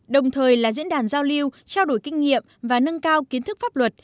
đồng thời là diễn đàn giao lưu trao đổi kinh nghiệm và nâng cao kiến thức pháp luật